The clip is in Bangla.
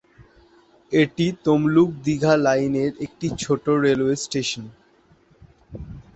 এটি তমলুক-দীঘা লাইনের একটি ছোট রেলওয়ে স্টেশন।